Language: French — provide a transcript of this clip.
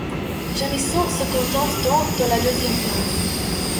Jamison se contente donc de la deuxième place.